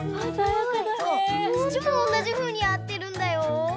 つちもおんなじふうにやってるんだよ。